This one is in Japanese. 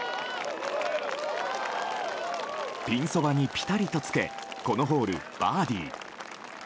ピンそばにぴたりとつけこのホール、バーディー。